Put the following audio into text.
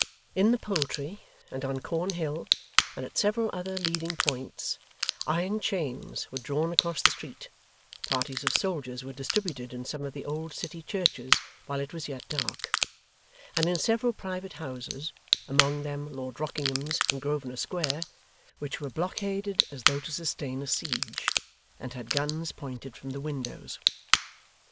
In the Poultry, and on Cornhill, and at several other leading points, iron chains were drawn across the street; parties of soldiers were distributed in some of the old city churches while it was yet dark; and in several private houses (among them, Lord Rockingham's in Grosvenor Square); which were blockaded as though to sustain a siege, and had guns pointed from the windows.